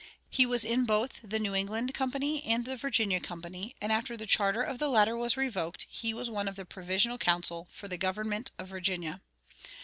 He was in both the New England Company and the Virginia Company, and after the charter of the latter was revoked he was one of the Provisional Council for the government of Virginia.